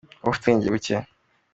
wowe ufite ubwenge buke